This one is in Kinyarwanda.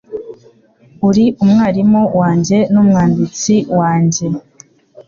Uri umwarimu wanjye n'umwanditsi wanjye